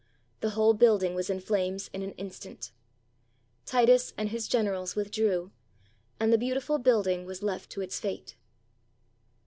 The whole building was in flames in an instant. Titus and his generals withdrew, and the beautiful building was left to its fate.